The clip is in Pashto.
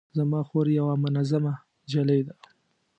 زما خور یوه منظمه نجلۍ ده